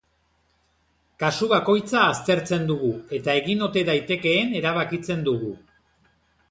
Kasu bakoitza aztertzen dugu eta egin ote daitekeen erabakitzen dugu.